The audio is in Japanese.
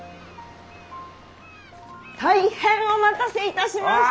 大変お待たせいたしました！